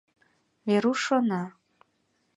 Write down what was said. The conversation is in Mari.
Веруш шона.